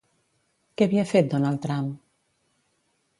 Que havia fet Donald Trump?